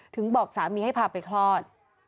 บอกสามีให้พาไปคลอด